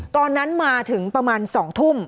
ตอนนั้นมาถึงประมาณ๒ทุ่ม